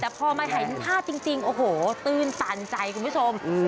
แต่พอมาถ่ายทิ้งผ้าจริงโอ้โหตื้นสั่นใจคุณผู้ชมอืม